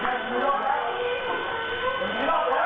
รับทราบ